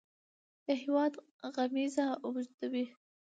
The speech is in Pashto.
د هیواد غمیزه اوږدوي.